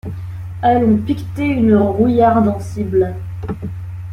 Allons picter une rouillarde encible.